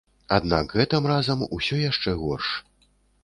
Аднак гэтым разам усё яшчэ горш.